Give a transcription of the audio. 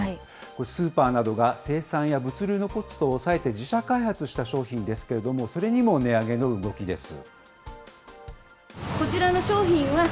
これ、スーパーなどが生産や物流のコストを抑えて自社開発した商品ですけれども、それにも値上げの動きです。